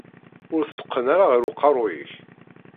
Ur t-tteqqen ara ɣer uqerruy-ik.